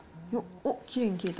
おっ、きれいに切れた。